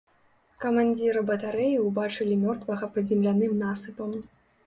Камандзіра батарэі ўбачылі мёртвага пад земляным насыпам.